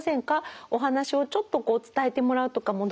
お話をちょっと伝えてもらうとかもどうかしら？